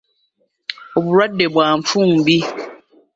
Obulwadde bwa nfumbi.